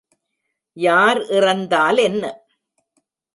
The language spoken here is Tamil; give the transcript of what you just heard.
யார் இறந்தால் என்ன?